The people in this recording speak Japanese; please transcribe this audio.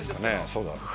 そうだ。